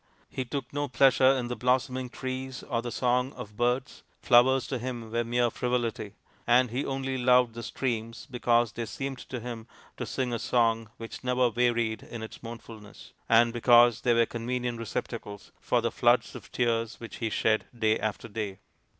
He took no pleasure in the blossoming trees or the song of birds ; flowers to him were mere frivolity ; and he only loved the streams because they seemed to him to sing a song which never varied in its mournfulness, and because they were convenient receptacles for the floods of tears which he shed day after day.